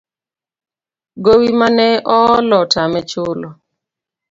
Gowi mane oolo otame chulo